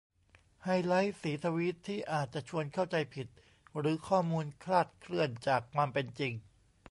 ไฮไลต์สีทวีตที่อาจจะชวนเข้าใจผิดหรือข้อมูลคลาดเคลื่อนจากความเป็นจริง